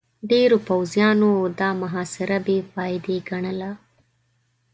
ډېرو پوځيانو دا محاصره بې فايدې ګڼله.